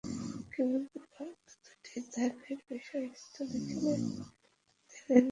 কেবল পূর্বোক্ত দুইটি ধ্যানের বিষয় স্থূল, এখানে ধ্যানের বিষয় সূক্ষ্ম।